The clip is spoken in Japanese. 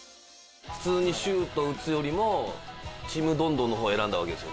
普通にシュート打つよりもちむどんどんの方を選んだわけですよね。